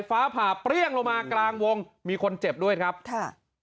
ฟ้าผ่าเปรี้ยงลงมากลางวงมีคนเจ็บด้วยครับค่ะ